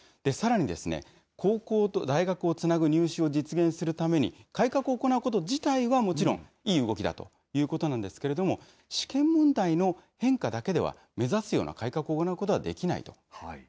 さらにですね、高校と大学をつなぐ入試を実現するために、改革を行うこと自体はもちろんいい動きだということなんですけれども、試験問題の変化だけでは目指すような改革を生むことはできないと。